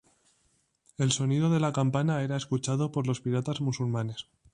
El sonido de la campana era escuchado por los piratas musulmanes.